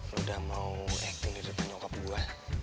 lo udah mau acting di depan nyokap gue